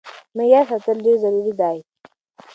معيار ساتل ډېر ضروري دی.